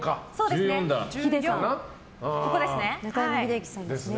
中山秀征さんですね。